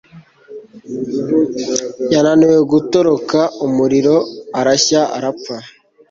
yananiwe gutoroka umuriro arashya arapfa